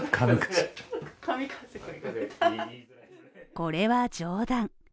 これは冗談。